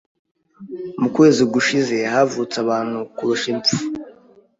Mu kwezi gushize havutse abantu kurusha impfu.